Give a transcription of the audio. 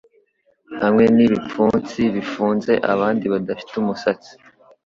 hamwe n'ibipfunsi bifunze abandi badafite umusatsi